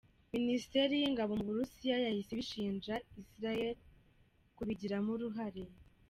Ministiteri y’ingabo mu Burusiya yahise ibishinja Isiraheli kubigiramo uruhare.